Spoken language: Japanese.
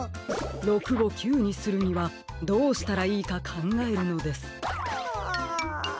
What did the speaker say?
６を９にするにはどうしたらいいかかんがえるのです。は。